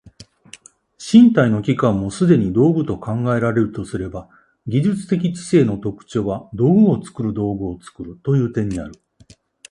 身体の器官もすでに道具と考えられるとすれば、技術的知性の特徴は道具を作る道具を作るという点にある。